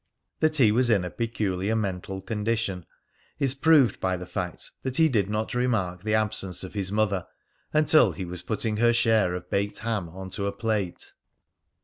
That he was in a peculiar mental condition is proved by the fact that he did not remark the absence of his mother until he was putting her share of baked ham on to a plate.